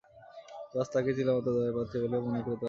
জজ তাহাকে তিলমাত্র দয়ার পাত্রী বলিয়া মনে করিতে পারিলেন না।